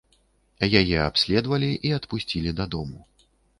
Яе абследавалі і адпусцілі дадому.